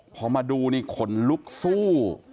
พอมาดูขนลุกซู่